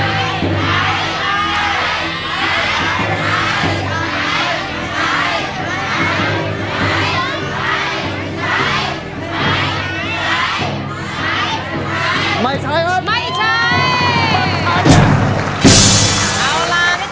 ใช้ใช้ใช้ไม่ใช้ครับไม่ใช้